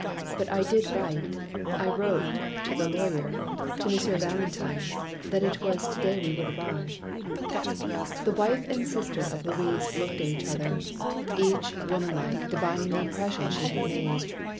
"But I did write, I wrote — ^to the lawyer, to M. Valentine, that it was to day we would arrive. " The wife and sister of Louis looked at each other; 332 THE LONELY LADY 333 each, woman like, divining the impression she had made.